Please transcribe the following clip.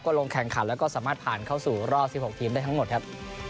ลงแข่งขันแล้วก็สามารถผ่านเข้าสู่รอบ๑๖ทีมได้ทั้งหมดครับ